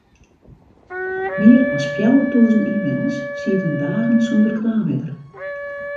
Mear as fjouwertûzen ynwenners sieten dagen sûnder kraanwetter.